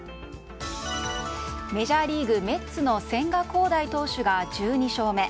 メジャーリーグ、メッツの千賀滉大投手が１２勝目。